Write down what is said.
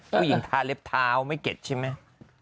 ผู้หญิงทาเล็บเท้าไม่เข็ดใช่มั้ย